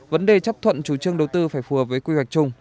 vấn đề chấp thuận chủ trương đầu tư phải phù hợp với quy hoạch chung